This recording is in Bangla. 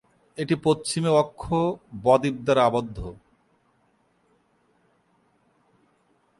এটি পশ্চিমে অক্ষ ব-দ্বীপ দ্বারা আবদ্ধ।